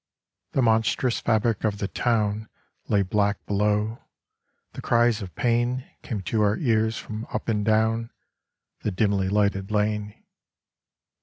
The monstrous fabric of the town Lay black below ; the cries of pain Came to our ears from up and down The dimly lighted lane.